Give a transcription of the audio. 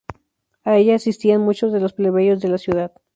A ella asistían muchos de los plebeyos de la ciudad.